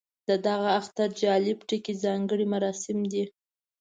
د دغه اختر جالب ټکی ځانګړي مراسم دي.